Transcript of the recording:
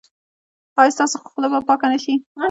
ایا ستاسو خوله به پاکه نه شي؟